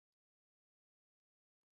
我曾经拥有过